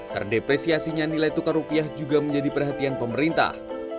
terdepresiasinya nilai tukar rupiah juga menjadi perhatian pemerintah